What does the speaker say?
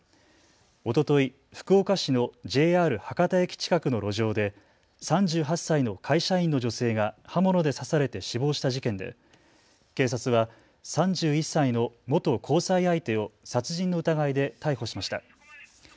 おととい福岡市のＪＲ博多駅近くの路上で３８歳の会社員の女性が刃物で刺されて死亡した事件で警察は３１歳の元交際相手を殺人の疑いで逮捕しました。